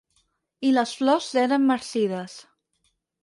I les flors s'eren marcides.